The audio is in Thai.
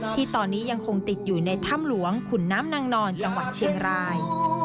ที่ตอนนี้ยังคงติดอยู่ในถ้ำหลวงขุนน้ำนางนอนจังหวัดเชียงราย